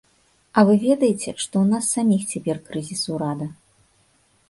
А вы ведаеце, што ў нас саміх цяпер крызіс ўрада.